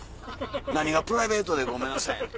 何が『プライベートでごめんなさい』やねん」。